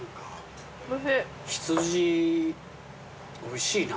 羊おいしいな。